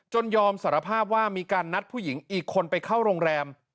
ยอมสารภาพว่ามีการนัดผู้หญิงอีกคนไปเข้าโรงแรม